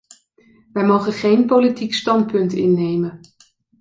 Wij mogen geen politiek standpunt innemen.